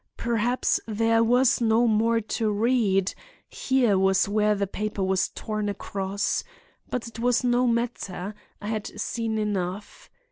Perhaps there was no more to read; here was where the paper was torn across. But it was no matter. I had seen enough.